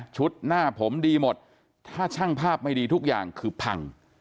หน้าผมดีหมดถ้าช่างภาพไม่ดีทุกอย่างคือพัง